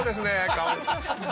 顔。